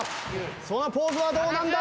そのポーズはどうなんだ？